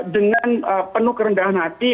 dengan penuh kerendahan hati